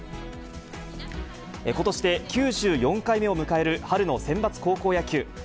ことしで９４回目を迎える春のセンバツ高校野球。